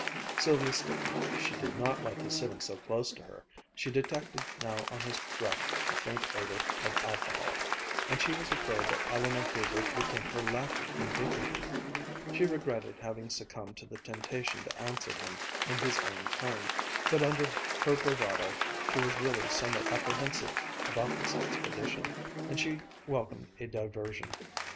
Sylvia stiffened. She did not like his sitting so close to her, she detected now on his breath a faint odor of alcohol, and she was afraid that Eleanor Hubert would think her lacking in dignity. She regretted having succumbed to the temptation to answer him in his own tone; but, under her bravado, she was really somewhat apprehensive about this expedition, and she welcomed a diversion.